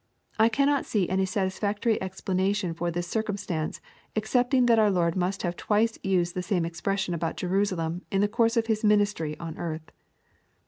I cannot see any satisfactory explanation of this circumstance excepting that our Lord must have twice used the same expression about Jerusalem in the course of His ministry on earth.